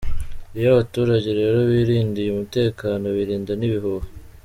Iyo abaturage rero birindiye umutekano, birinda n’ibihuha.